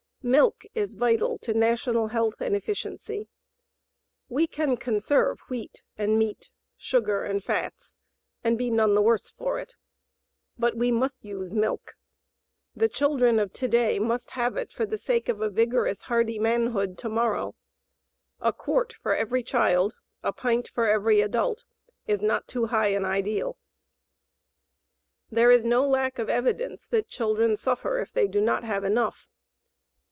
MILK IS VITAL TO NATIONAL HEALTH AND EFFICIENCY. We can conserve wheat and meat, sugar and fats, and be none the worse for it, but WE MUST USE MILK. The children of to day must have it for the sake of a vigorous, hardy manhood to morrow. A quart for every child, a pint for every adult is not too high an ideal. There is no lack of evidence that children suffer if they do not have enough.